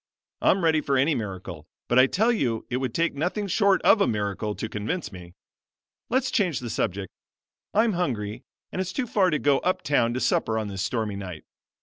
I'm ready for any miracle; but I tell you it would take nothing short of a miracle to convince me. Let's change the subject. I'm hungry and it's too far to go up town to supper on this stormy night.